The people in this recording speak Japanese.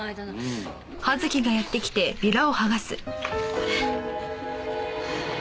これ。